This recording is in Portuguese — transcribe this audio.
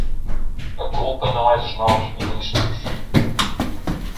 A culpa não é dos nobres ministros.